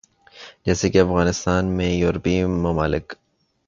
جیسے کے افغانستان میں یورپی ممالک